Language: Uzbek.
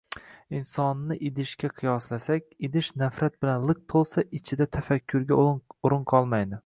Insonni idishga qiyoslasak, idish nafrat bilan liq to‘lsa, ichida tafakkurga o‘rin qolmaydi.